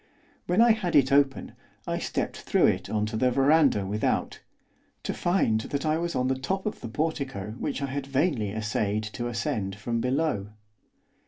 When I had it open I stepped through it on to the verandah without, to find that I was on the top of the portico which I had vainly essayed to ascend from below.